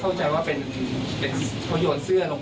เหลือหาปลาก็ยังไม่รู้เรื่องนะ